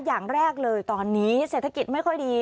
อย่างแรกเลยตอนนี้เศรษฐกิจไม่ค่อยดี